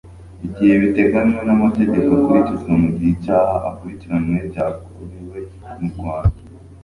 igihe biteganywa n amategeko akurikizwa mu gihe icyaha akurikiranyweho cyakorewe mu rwanda